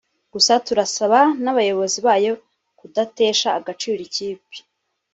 Gusa turasaba nabayobozi bayo kudatesha agaciro ikipe